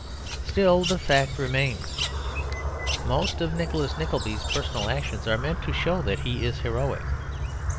Still the fact remains. Most of Nicholas Nickleby's personal actions are meant to show that he is heroic.